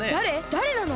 だれなの？